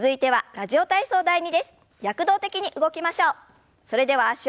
「ラジオ体操第２」。